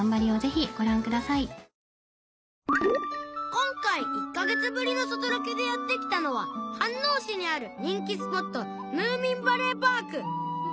今回１カ月ぶりの外ロケでやって来たのは飯能市にある人気スポットムーミンバレーパーク